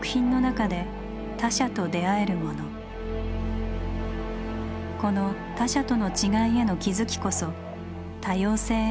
この他者との「違い」への気付きこそ多様性への第一歩。